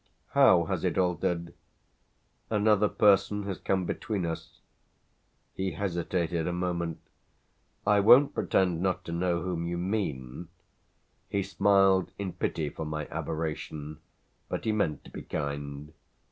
"How has it altered?" "Another person has come between us." He hesitated a moment. "I won't pretend not to know whom you mean." He smiled in pity for my aberration, but he meant to be kind.